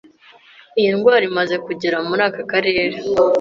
Iyi ndwara imaze kugera muri aka karere,